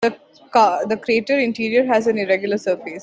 The crater interior has an irregular surface.